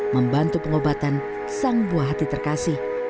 membantu pengobatan sang buah hati terkasih